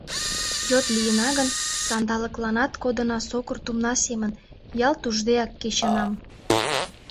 Йот лийына гын, сандалыкланак кодына сокыр тумна семын, ялт уждеак кечынам.